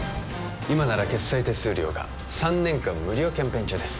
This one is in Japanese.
今なら決済手数料が３年間無料キャンペーン中です